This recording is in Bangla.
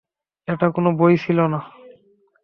এটা কোন বই ছিল না।